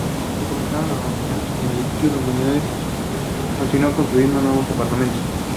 Se completaron renovaciones en el edificio de Humanidades, y se continúan construyendo nuevos apartamentos.